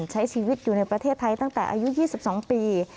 ใช้ชีวิตอยู่ในประเทศไทยตั้งแต่อายุ๒๒ปี